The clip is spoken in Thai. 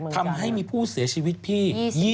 ทำให้มีผู้เสียชีวิตพี่